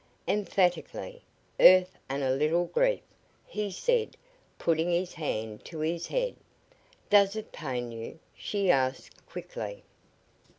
"Emphatically! Earth and a little grief," he said, putting his hand to his head. "Does it pain you?" she asked, quickly.